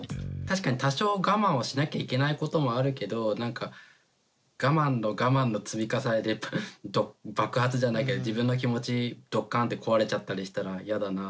確かに多少我慢をしなきゃいけないこともあるけどなんか我慢の我慢の積み重ねで爆発じゃないけど自分の気持ちどっかんって壊れちゃったりしたら嫌だな。